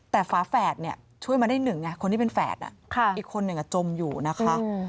แต่ฝาแฝดช่วยมาได้๑คนที่เป็นฝาแฝดอีกคนอยู่นะคะ